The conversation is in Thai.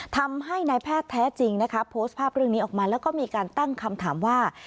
ทำให้นายแพทย์แท้จริงนะคะโพสต์ภาพเรื่องนี้ออกมาแล้วก็มีการตั้งคำถามว่า